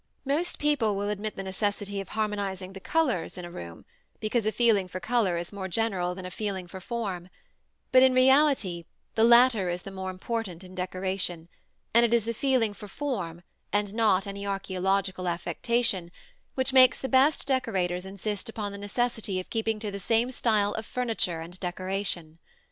Most people will admit the necessity of harmonizing the colors in a room, because a feeling for color is more general than a feeling for form; but in reality the latter is the more important in decoration, and it is the feeling for form, and not any archæological affectation, which makes the best decorators insist upon the necessity of keeping to the same style of furniture and decoration.